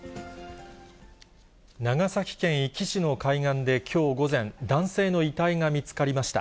長崎県壱岐市の海岸できょう午前、男性の遺体が見つかりました。